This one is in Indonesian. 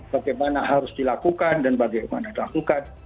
bagaimana harus dilakukan dan bagaimana dilakukan